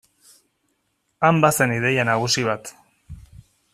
Han bazen ideia nagusi bat.